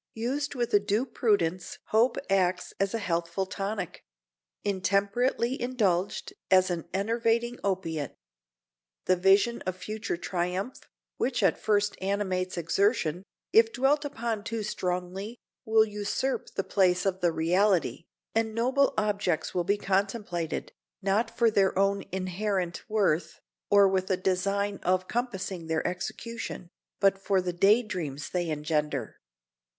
Used with a due prudence hope acts as a healthful tonic; intemperately indulged, as an enervating opiate. The vision of future triumph, which at first animates exertion, if dwelt upon too strongly, will usurp the place of the reality, and noble objects will be contemplated, not for their own inherent worth, or with a design of compassing their execution, but for the day dreams they engender.